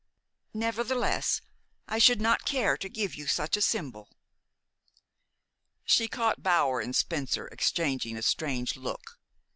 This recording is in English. Nevertheless, I should not care to give you such a symbol." She caught Bower and Spencer exchanging a strange look.